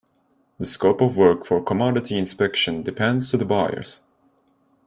The scope of work for commodity inspection depends to the buyers.